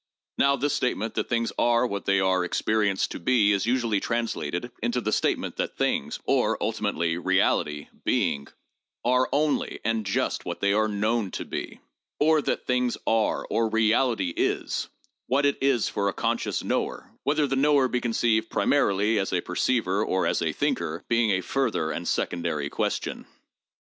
"Now, this statement that things are what they are experienced to be is usually translated into the statement that things (or, ulti mately, Reality, Being) are only and just what they are known to be, or that things are, or Reality is, what it is for a conscious knower — whether the knower be conceived primarily as a perceiver or as a thinker being a further and secondary question.